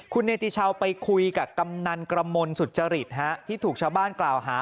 คุณเนติชาวไปคุยกับกำนันกระมวลสุจริตที่ถูกชาวบ้านกล่าวหา